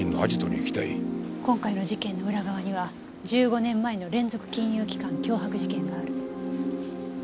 今回の事件の裏側には１５年前の連続金融機関脅迫事件がある。